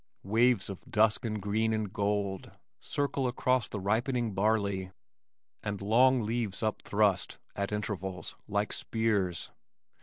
Waves of dusk and green and gold, circle across the ripening barley, and long leaves upthrust, at intervals, like spears.